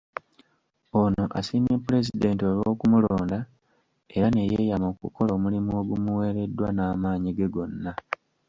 Ono asiimye Pulezidenti olw’okumulonda era ne yeeyama okukola omulimu ogumuweereddwa n’amaanyi ge gonna.